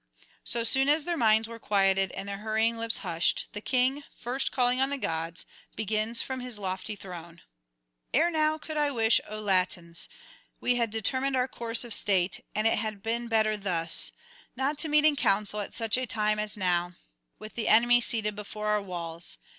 So soon as their minds were quieted, and their hurrying lips hushed, the king, first calling on the gods, begins from his lofty throne: [302 336]'Ere now could I wish, O Latins, we had determined our course of state, and it had been better thus; not to meet in council at such a time as now, with the enemy seated before our walls.